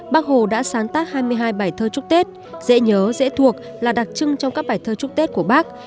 bác hồ đã sáng tác hai mươi hai bài thơ chúc tết dễ nhớ dễ thuộc là đặc trưng trong các bài thơ chúc tết của bác